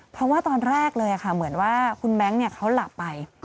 เพราะว่าตอนแรกเลยค่ะเหมือนว่าคุณแบงค์เขาหลับไป